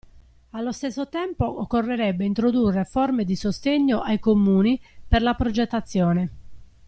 Allo stesso tempo, occorrerebbe introdurre forme di sostegno ai comuni per la progettazione.